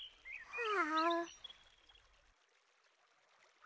ああ。